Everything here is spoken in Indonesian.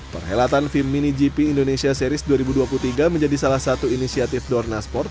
perhelatan fim mini gp indonesia series dua ribu dua puluh tiga menjadi salah satu inisiatif dorna sport